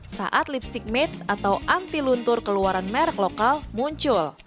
saat lipstick made atau anti luntur keluaran merek lokal muncul